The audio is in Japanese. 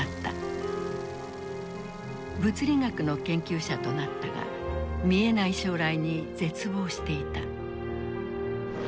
物理学の研究者となったが見えない将来に絶望していた。